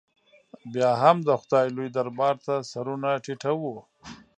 بیا هم د خدای لوی دربار ته سرونه ټیټو.